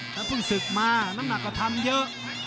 แล้วเพิ่งศึกมาน้ำหนักก็ทำเยอะ